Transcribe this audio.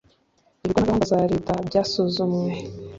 ibigo na gahunda za leta byasuzumwe